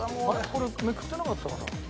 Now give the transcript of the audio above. これめくってなかったかな？